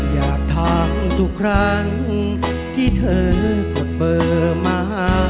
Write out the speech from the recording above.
อยากถามทุกครั้งที่เธอกดเบอร์มา